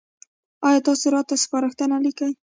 ایا تاسو راته سپارښتنه لیکئ؟